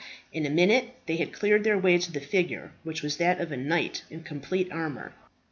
In a minute they had cleared their way to the figure, which was that of a knight in complete armour.